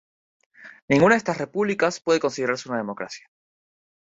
Ninguna de estas repúblicas puede considerarse una democracia.